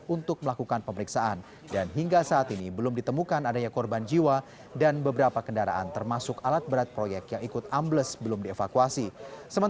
untuk mencari penyelidikan penyelidikan